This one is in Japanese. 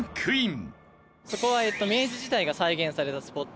そこは明治時代が再現されたスポット。